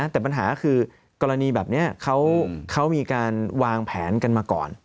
แต่ปัญหาคือกรณีแบบนี้เขามีการวางแผนกันมาก่อน